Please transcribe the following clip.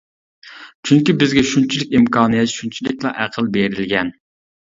چۈنكى بىزگە شۇنچىلىك ئىمكانىيەت، شۇنچىلىكلا ئەقىل بېرىلگەن.